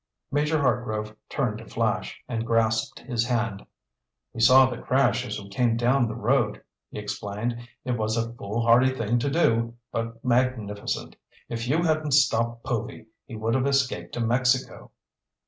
Major Hartgrove turned to Flash and grasped his hand. "We saw the crash as we came down the road," he explained. "It was a foolhardy thing to do, but magnificent! If you hadn't stopped Povy, he would have escaped to Mexico."